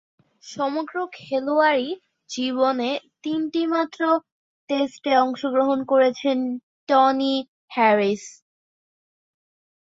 সমগ্র খেলোয়াড়ী জীবনে তিনটিমাত্র টেস্টে অংশগ্রহণ করেছেন টনি হ্যারিস।